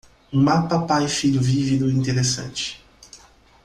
um mapa pai-filho vívido e interessante